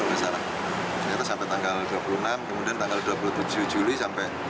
ternyata sampai tanggal dua puluh enam kemudian tanggal dua puluh tujuh juli sampai